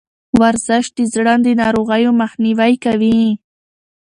ورزش د زړه د ناروغیو مخنیوی کوي.